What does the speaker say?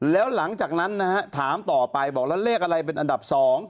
แล้วหลังจากนั้นนะฮะถามต่อไปบอกแล้วเลขอะไรเป็นอันดับ๒